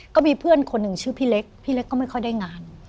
ก็มีเพื่อนคนหนึ่งชื่อพี่เล็กพี่เล็กก็ไม่ค่อยได้งาน